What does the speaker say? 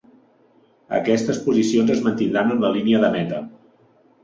Aquestes posicions es mantindran en la línia de meta.